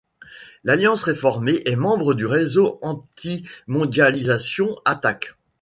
L'Alliance réformée est membre du réseau anti-mondialisation Attac.